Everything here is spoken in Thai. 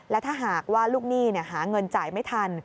และถ้าหากว่าลูกหนี้หาเงินจ่ายไม่ทัน